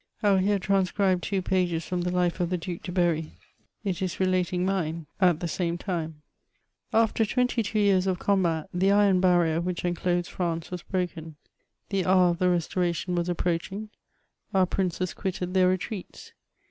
I will here transcribe two pages from the Life of the Duke de Bernfy it is relating mine at the same time :After twenty two years of combat, the iron barrier which enclosed France was broken ; the hour of the restoration was approaching; our princes quitted their retreats.